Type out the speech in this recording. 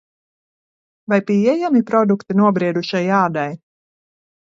Vai pieejami produkti nobriedušai ādai?